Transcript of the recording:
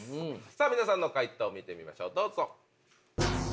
皆さんの解答見てみましょうどうぞ。